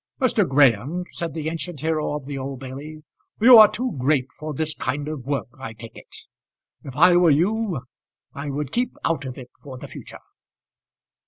"Mr. Graham," said the ancient hero of the Old Bailey, "you are too great for this kind of work I take it. If I were you, I would keep out of it for the future."